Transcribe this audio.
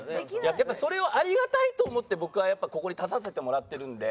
やっぱそれをありがたいと思って僕はここに立たせてもらってるんで。